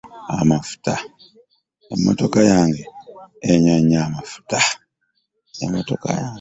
Emmotoka yange enywa nnyo amafuta.